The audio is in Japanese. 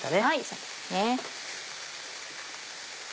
そうですね。